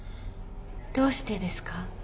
どうしてですか？